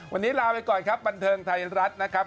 วันนี้ลาไปก่อนครับบันเทิงไทยรัฐนะครับ